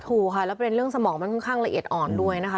ถูกค่ะแล้วเป็นเรื่องสมองมันค่อนข้างละเอียดอ่อนด้วยนะคะ